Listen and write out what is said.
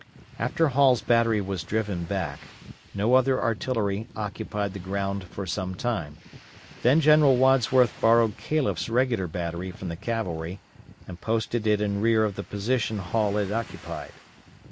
After Hall's battery was driven back, no other artillery occupied the ground for some time, then General Wadsworth borrowed Calef's regular battery from the cavalry, and posted it in rear of the position Hall had occupied.